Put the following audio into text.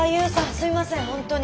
すいません本当に。